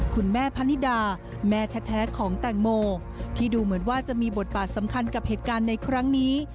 คุณแม่พะนิดาแม่แท้ของแตงโมที่ดูเหมือนว่าจะมีบทบาทสำคัญกับเหตุการณ์ในครั้งนี้